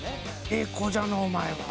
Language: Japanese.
ええ子じゃのうお前は。